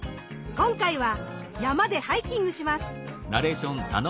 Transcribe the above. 今回は山でハイキングします。